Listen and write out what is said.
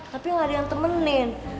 tapi gak ada yang temenin